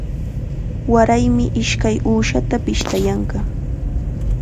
Waraymi ishkay uushata pishtayanqa.